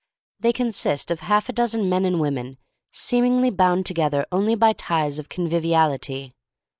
They consist of half a dozen men and women seemingly bound together only by ties of con viviality.